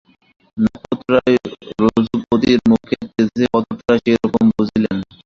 নক্ষত্ররায়ও রঘুপতির মুখের তেজে কতকটা সেইরকমই বুঝিলেন।